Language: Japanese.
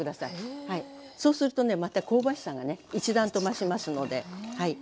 そうするとねまた香ばしさがね一段と増しますのではい。